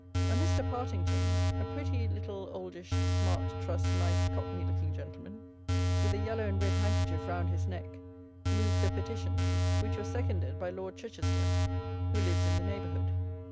A Mr. Partington, a pretty little oldish smart truss nice cockney looking gentleman, with a yellow and red handkerchief round his neck, moved the petition, which was seconded by Lord Chichester, who lives in the neighbourhood.